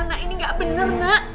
mbak ini gak bener nak